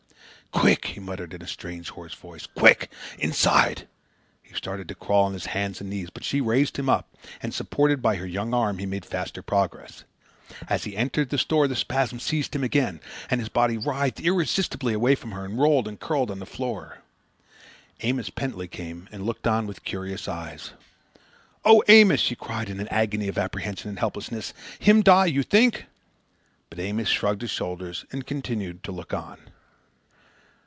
"Quick!" he muttered, in a strange, hoarse voice. "Quick! Inside!" He started to crawl on hands and knees, but she raised him up, and, supported by her young arm, he made faster progress. As he entered the store the spasm seized him again, and his body writhed irresistibly away from her and rolled and curled on the floor. Amos Pentley came and looked on with curious eyes. "Oh, Amos!" she cried in an agony of apprehension and helplessness, "him die, you think?" But Amos shrugged his shoulders and continued to look on.